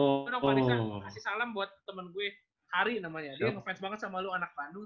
tolong vanessa kasih salam buat temen gue hari namanya dia ngefans banget sama lo anak panu